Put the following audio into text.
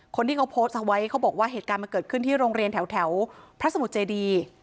คนที่เขาโพสต์เอาไว้เขาบอกว่าเหตุการณ์มันเกิดขึ้นที่โรงเรียนแถวพระสมุทรเจดี